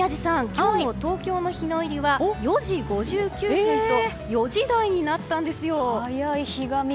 今日の東京の日の入りは４時５９分と４時台になったんですよ。